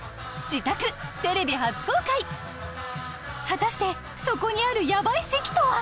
自宅テレビ初公開果たしてそこにあるヤバい席とは？